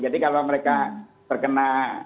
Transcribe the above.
jadi kalau mereka terkena